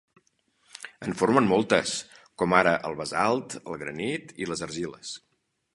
En formen moltes, com ara el basalt, el granit i les argiles.